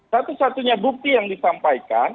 satu satunya bukti yang disampaikan